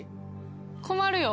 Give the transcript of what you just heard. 困るよ。